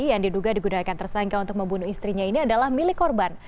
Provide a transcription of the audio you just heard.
yang diduga digunakan tersangka untuk membunuh istrinya ini adalah milik korban